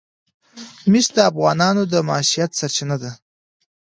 مس د افغانانو د معیشت سرچینه ده.